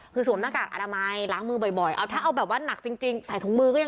คือสวมหน้ากากอาดามัยล้างมือบ่อย